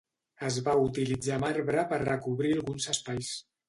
Es va utilitzar marbre per recobrir alguns espais.